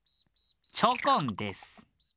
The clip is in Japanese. チョコンです。